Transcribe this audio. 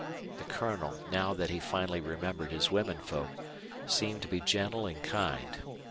The Colonel, now that he finally remembered his women folk, seemed to be gentle and kind.